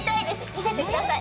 見せてください。